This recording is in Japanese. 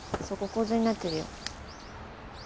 そこ洪水になってるよ。